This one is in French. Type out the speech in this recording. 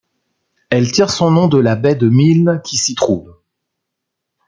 Elle tire son nom de la baie de Milne qui s'y trouve.